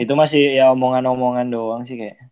itu masih ya omongan omongan doang sih kayak